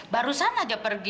barusan aja pergi